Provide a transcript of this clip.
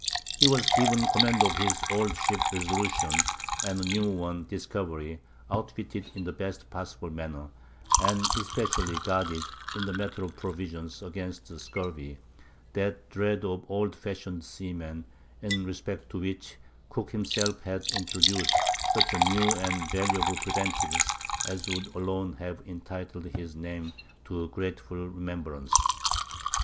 He was given command of his old ship Resolution and a new one, Discovery, outfitted in the best possible manner, and especially guarded, in the matter of provisions, against scurvy—that dread of the old fashioned seamen, in respect to which Cook himself had introduced such new and valuable preventives as would alone have entitled his name to grateful remembrance.